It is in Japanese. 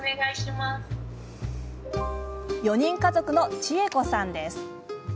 ４人家族のちえこさんです。